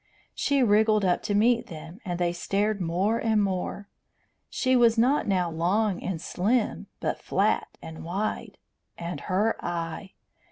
She wriggled up to meet them, and they stared more and more. She was not now long and slim, but flat and wide. And her eye!